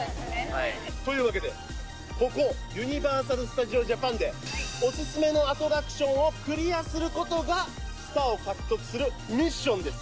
というわけでここユニバーサル・スタジオ・ジャパンでお薦めのアトラクションをクリアすることがスターを獲得するミッションです。